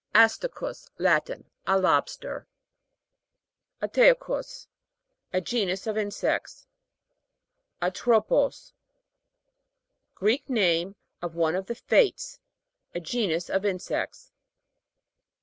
ASTA'CUS. Latin. A lobster. ATEU'CHUS (a tue kus}. A genus of insects. A'TROPOS. Greek name of one of the Fates. A genus of insects.